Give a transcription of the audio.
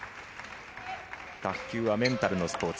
卓球はメンタルのスポーツ。